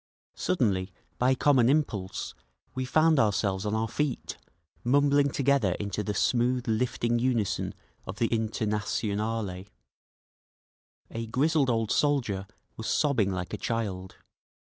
Suddenly, by common impulse, we found ourselves on our feet, mumbling together into the smooth lifting unison of the Internationale. A grizzled old soldier was sobbing like a child.